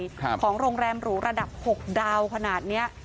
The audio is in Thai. ของโรงแรมหรูระดับหกดาวขนาดเนี้ย